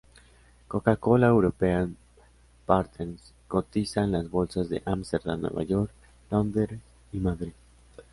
Coca-Cola European Partners cotiza en las bolsas de Amsterdam, Nueva York, Londres y Madrid.